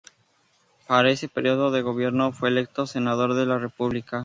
Para ese período de gobierno fue electo senador de la República.